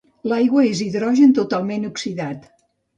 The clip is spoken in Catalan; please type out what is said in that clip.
L'aigua és hidrogen totalment oxidat.